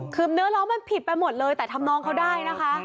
คือเนื้อร้องมันผิดไปหมดเลยแต่ทำน้องเขาได้นะคะ